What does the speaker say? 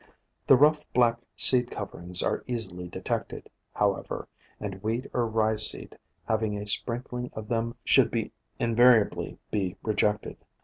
The rough black seed coverings are easily detected, however, and wheat or rye seed having a sprinkling of them should invariably be rejected.